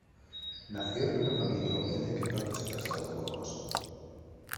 Nació en una familia humilde que pronto se trasladó a Burgos.